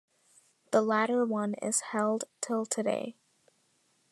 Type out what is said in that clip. The latter one is held till today.